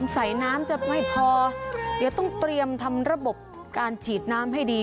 ใส่น้ำจะไม่พอเดี๋ยวต้องเตรียมทำระบบการฉีดน้ำให้ดี